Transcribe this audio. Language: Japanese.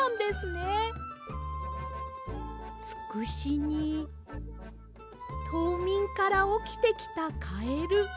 つくしにとうみんからおきてきたカエル。